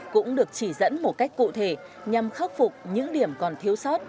cũng được chỉ dẫn một cách cụ thể nhằm khắc phục những điểm còn thiếu sót